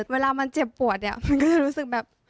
เวลามันเจ็บปวดเนี่ยมันก็จะรู้สึกแบบ